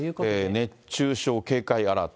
熱中症警戒アラート。